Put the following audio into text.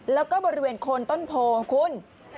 แล้วก็บริเวณโคนต้นโพคุณ